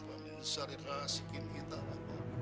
wa min sari rasikin ita wabu